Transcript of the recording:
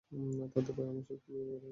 তাদের ভয় আমার শক্তি ভেবে বড় হয়েছি।